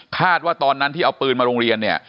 ว่าตอนนั้นที่เอาปืนมาโรงเรียนเนี่ย